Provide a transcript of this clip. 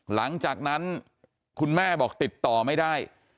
หลังจากนั้นคุณแม่บอกติดต่อไม่ได้